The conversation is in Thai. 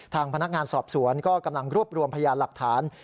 ทางพนักงานสอบสวนก็กำลังรวบรวมพยานหลักฐาน